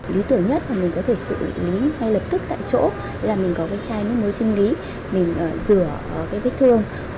lý tưởng nhất mà mình có thể xử lý ngay lập tức tại chỗ là mình có cái chai nước muối sinh lý mình rửa cái vết thương